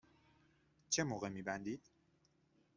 چه موقع می بندید؟